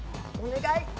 お願い！